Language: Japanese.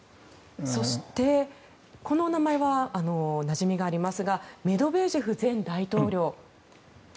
そしてこのお名前はなじみがありますがメドベージェフ前大統領。